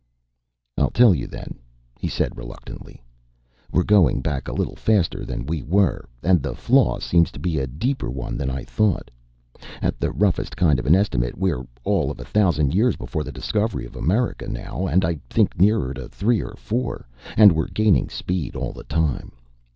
"I'll tell you, then," he said reluctantly. "We're going back a little faster than we were, and the flaw seems to be a deeper one than I thought. At the roughest kind of an estimate, we're all of a thousand years before the discovery of America now, and I think nearer three or four. And we're gaining speed all the time.